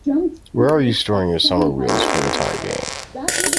Where are you storing your summer wheels for the time being?